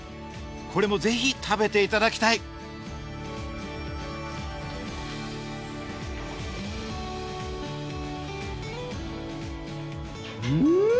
これもぜひ食べていただきたいうん！